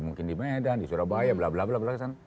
mungkin di medan di surabaya bla bla bla blasan